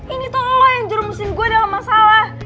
ini tuh lo yang jermusin gue dalam masalah